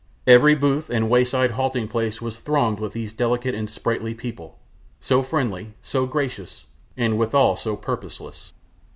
Every booth and way side halting place was thronged with these delicate and sprightly people, so friendly, so gracious, and withal so purposeless.